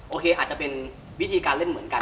โอเคอาจจะเป็นวิธีการเล่นเหมือนกัน